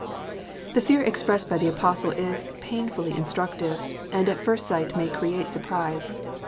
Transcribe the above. The fear expressed by the Apostle is painfully instructive, and at first sight may create surprise.